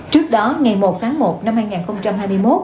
trước đó ngày một tháng một năm hai nghìn hai mươi một